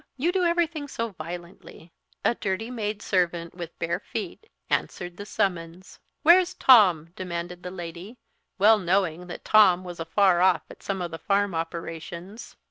You do everything so violently." A dirty maid servant, with bare feet, answered the summons. "Where's Tom?" demanded the lady, well knowing that Tom was afar off at some of the farm operations.